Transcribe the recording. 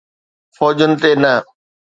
فوجن تي نه.